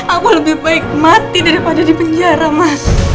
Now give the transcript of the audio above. aku lebih baik mati daripada di penjara mas